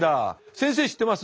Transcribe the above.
先生知ってます？